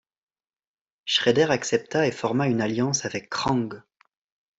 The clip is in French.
Shredder accepta, et forma une alliance avec Krang.